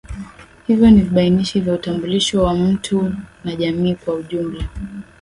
Hivyo ni vibainishi vya utambulisho wa mtu na jamii kwa ujumla